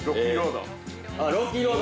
◆ロッキーロード。